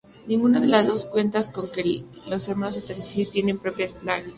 Ninguna de las dos cuenta con que los hermanos Atreides tienen sus propios planes.